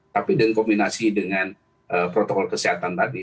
tapi dengan kombinasi dengan protokol kesehatan tadi